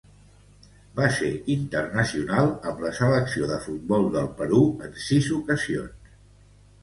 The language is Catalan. Va ser internacional amb la selecció de futbol del Perú en sis ocasions.